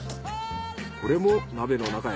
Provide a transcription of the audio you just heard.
これも鍋の中へ。